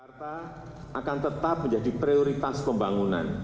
jakarta akan tetap menjadi prioritas pembangunan